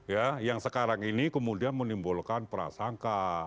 ya yang sekarang ini kemudian menimbulkan prasangka